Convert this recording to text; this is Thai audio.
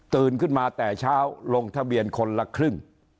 ขึ้นมาแต่เช้าลงทะเบียนคนละครึ่ง